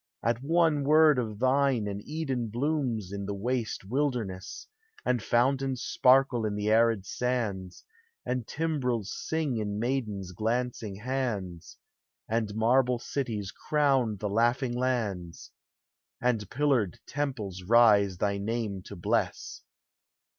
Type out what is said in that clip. at one word of thine An Eden blooms in the waste wilderness, And fountains sparkle in the arid sands, And timbrels ring in maidens' glancing hands, And marble cities crown the laughing lands, And pillared temples rise thy name to bless.